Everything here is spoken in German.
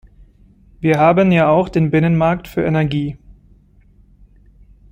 Wir haben ja auch den Binnenmarkt für Energie.